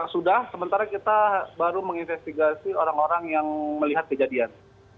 sudah sementara kita baru menginvestigasi orang orang yang melihat kejadian